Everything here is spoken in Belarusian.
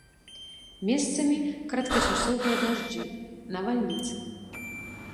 Месцамі кароткачасовыя дажджы, навальніцы.